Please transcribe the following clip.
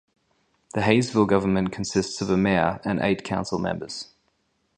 The Haysville government consists of a mayor and eight council members.